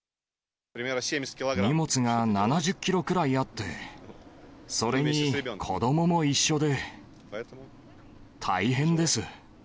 荷物が７０キロくらいあって、それに子どもも一緒で、大変です。